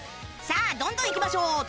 さあどんどんいきましょう